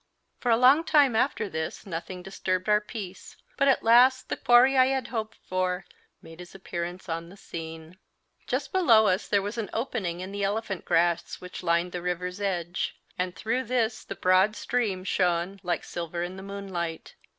For a long time after this nothing disturbed our peace, but at last the quarry I had hoped for made his appearance on the scene. Just below us there was an opening in the elephant grass which lined the river's edge, and through this the broad stream shone like silver in the moonlight.